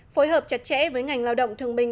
phối hợp chặt chẽ với ngành lao động thương minh